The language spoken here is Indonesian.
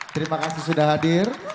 terima kasih sudah hadir